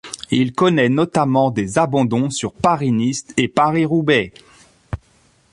Il connaît notamment des abandons sur Paris-Nice et Paris-Roubaix.